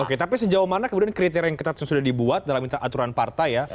oke tapi sejauh mana kemudian kriteria yang sudah dibuat dalam aturan partai ya